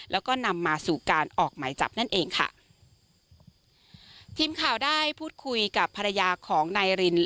แล้วก็นำมาสู่การออกหมายจับนั่นเองค่ะทีมข่าวได้พูดคุยกับภรรยาของนายริน